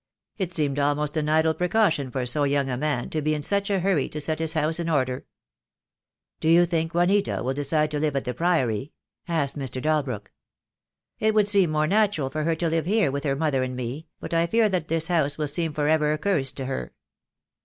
It seemed almost an idle precaution for so young a man to be in such a hurry to set his house in order." "Do you think Juanita will decide to live at the Priory?" asked Mr. Dalbrook. "It would seem more natural for her to live here with her mother and me, but I fear that this house will seem for ever accursed to her.